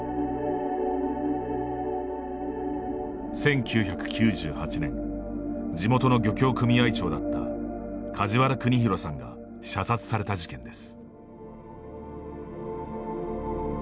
１９９８年地元の漁協組合長だった梶原國弘さんが射殺された事件です。